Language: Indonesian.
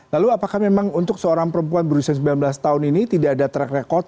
lalu apakah memang untuk seorang perempuan berusia sembilan belas tahun ini tidak ada track record